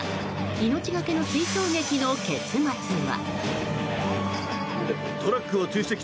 命がけの追走劇の結末は？